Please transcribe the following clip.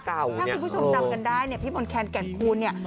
ถ้าคุณผู้ชมจำกันได้เนี่ยพี่มนต์แคนแก่นคูณเนี่ย